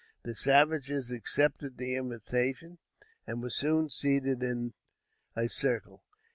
The savages accepted the invitation and were soon seated in a circle.